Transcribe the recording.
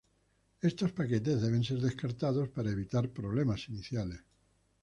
Esos paquetes deben ser descartados para evitar problemas iniciales.